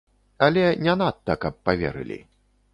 Але не надта каб паверылі.